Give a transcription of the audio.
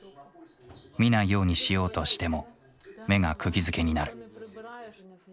見ないようにしようとしても目がくぎづけになる。